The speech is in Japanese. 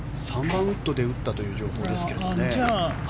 ３番ウッドで打ったという情報ですけどね。